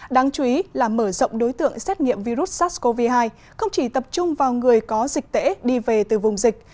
đáng chú ý là mở rộng đối tượng xét nghiệm virus sars cov hai không chỉ tập trung vào người có dịch tễ đi về từ vùng dịch